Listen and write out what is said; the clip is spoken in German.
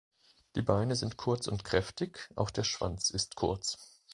Die Beine sind kurz und kräftig, auch der Schwanz ist kurz.